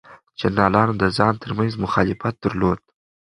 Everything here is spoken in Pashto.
جنرالانو د ځان ترمنځ مخالفت درلود.